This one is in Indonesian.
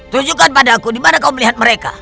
tunjukkan pada aku dimana kau melihat mereka